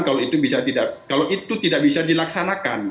kalau itu tidak bisa dilaksanakan